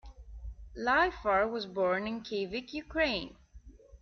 Lifar was born in Kyiv, Ukraine.